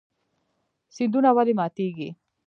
سیندونه ولې ماتیږي؟